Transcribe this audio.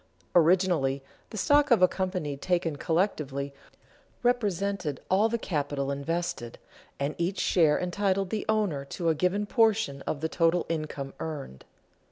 Originally the stock of a company taken collectively represented all the capital invested, and each share entitled the owner to a given portion of the total income earned.